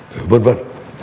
rồi vân vân